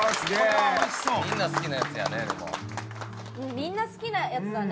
みんな好きなやつだね。